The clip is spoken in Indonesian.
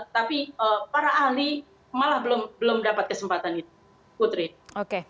tapi para ahli malah belum dapat kesempatan itu putri